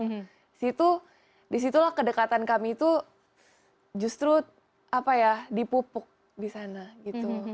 di situ di situlah kedekatan kami itu justru apa ya dipupuk di sana gitu